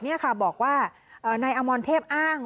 มีคนร้องบอกให้ช่วยด้วยก็เห็นภาพเมื่อสักครู่นี้เราจะได้ยินเสียงเข้ามาเลย